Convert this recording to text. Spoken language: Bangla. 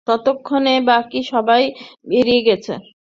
ততক্ষণে বাকি সবাই বেরিয়ে গেছে।